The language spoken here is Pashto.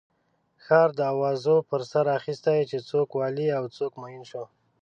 ښار د اوازو پر سر اخستی چې څوک والي او څوک معین شو.